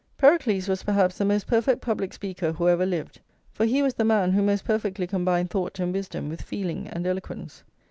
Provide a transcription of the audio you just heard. Pericles was perhaps the most perfect public speaker who ever lived, for he was the man who most perfectly combined thought and wisdom with feeling and eloquence.